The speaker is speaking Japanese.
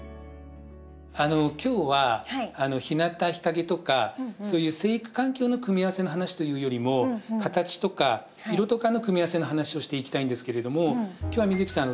今日はひなた日陰とかそういう生育環境の組み合わせの話というよりも形とか色とかの組み合わせの話をしていきたいんですけれども今日は美月さん